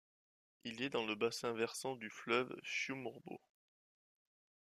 Il est dans le bassin versant du fleuve Fiumorbo.